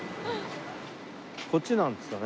こっちなんですかね？